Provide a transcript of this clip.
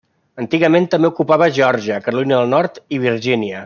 Antigament, també ocupava Geòrgia, Carolina del Nord i Virgínia.